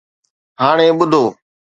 هاڻي ٻڌو.